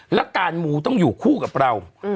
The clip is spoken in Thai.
แล้วการมูต้องอยู่คู่กับเรา